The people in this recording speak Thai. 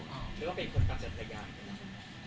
หรือว่าเป็นคนตามใจบ้างครับ